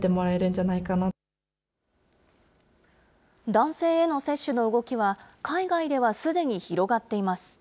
男性への接種の動きは、海外ではすでに広がっています。